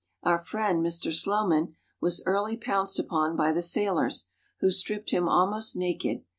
Our friend, Mr. Slowman, was early pounced upon by the sailors, who stripped him almost naked.